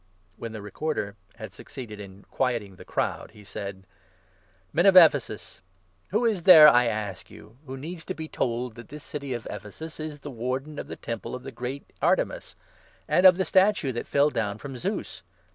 " When the Recorder had succeeded in quieting the crowd, he 35 said :" Men of Ephesus, who is there, I ask you, who needs to be told that this city of Ephesus is the Warden of the Temple of the great Artemis, and of the statue which fell down from Zeus